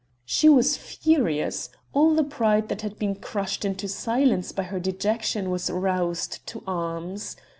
She was furious; all the pride that had been crushed into silence by her dejection was roused to arms.